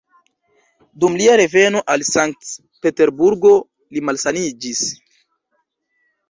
Dum lia reveno al Sankt-Peterburgo, li malsaniĝis.